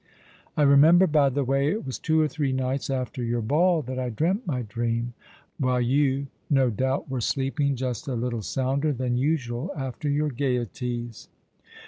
I remember, by the way, it was two or three nights after your ball that I dreamt my dream, while you no doubt were sleeping just a little sounder than usual after your gaieties."